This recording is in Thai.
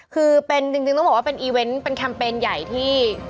คือเป็นจริงต้องบอกว่าเป็นแคมเปญใหญ่ที่